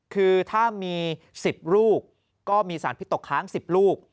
คือถ้ามี๑๐ลูกก็มีสารพิษตกค้าง๑๐ลูก